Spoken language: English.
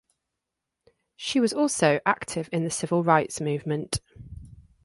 She was also active in the civil rights movement.